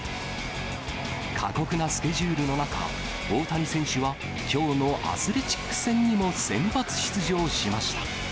過酷なスケジュールの中、大谷選手はきょうのアスレチックス戦にも先発出場しました。